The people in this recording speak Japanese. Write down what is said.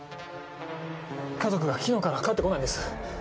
家族が昨日から帰ってこないんです。